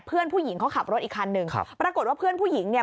เพื่อนผู้หญิงเขาขับรถอีกคันหนึ่งครับปรากฏว่าเพื่อนผู้หญิงเนี่ย